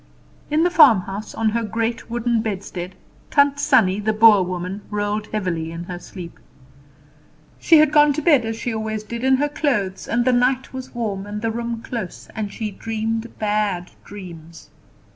In the farmhouse, on her great wooden bedstead, Tant Sannie, the Boer woman, rolled heavily in her sleep. She had gone to bed, as she always did, in her clothes, and the night was warm and the room close, and she dreamed bad dreams.